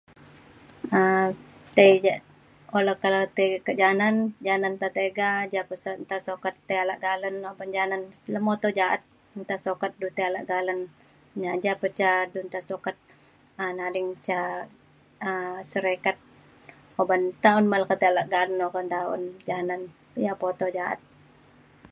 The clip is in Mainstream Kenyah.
um tei ja okak le tei kak janan janan te tiga ja pasen nta sukat tai ala kalen oban janan lemuto ja’at nta sukat du tai alak galeng. nya da pa ca du nta sukat ta’an ading ca um syarikat oban ta un te le ke te ala ta’an un ta un janan ia’ pa uto ja’at